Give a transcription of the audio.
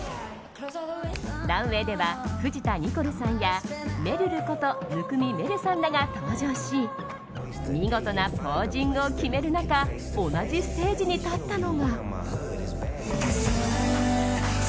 ランウェーでは藤田ニコルさんやめるること生見愛瑠さんらが登場し見事なポージングを決める中同じステージに立ったのが。